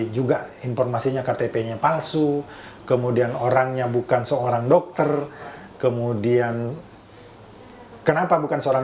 juga informasinya ktp nya palsu kemudian orangnya bukan seorang dokter kemudian kenapa bukan seorang